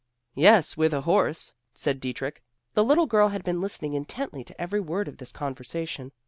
"Yes, with a horse," said Dietrich. The little girl had been listening intently to every word of this conversation.